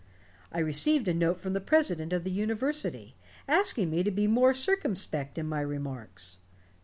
I received a note from the president of the university, asking me to be more circumspect in my remarks.